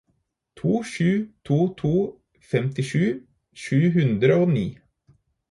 to sju to to femtisju sju hundre og ni